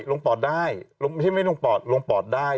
ลงปอดได้ไม่ใช่ไม่ลงปอดลงปอดได้